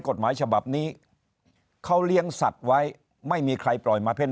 กฎหมายฉบับนี้เขาเลี้ยงสัตว์ไว้ไม่มีใครปล่อยมาเพ่น